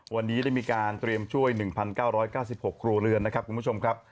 วันนี้ได้มีการเตรียมช่วย๑๙๙๖ครัวเรือนนะครับคุณผู้ชมครับ